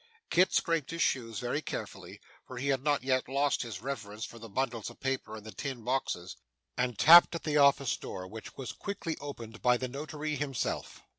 Kit scraped his shoes very carefully (for he had not yet lost his reverence for the bundles of papers and the tin boxes,) and tapped at the office door, which was quickly opened by the Notary himself.